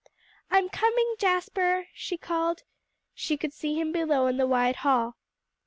"I'm coming, Jasper," she called. She could see him below in the wide hall.